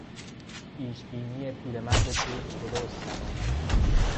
پیشبینی پیرمرد کور درست درآمد.